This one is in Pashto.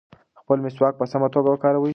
خپل مسواک په سمه توګه وکاروئ.